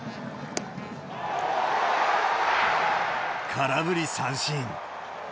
空振り三振。